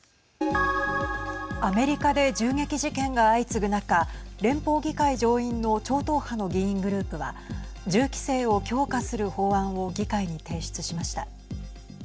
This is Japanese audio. アメリカで銃撃事件が相次ぐ中連邦議会上院の超党派の議員グループは銃規制を強化する法案を議会に提出しました。